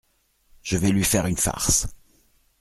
Je vais lui faire une farce.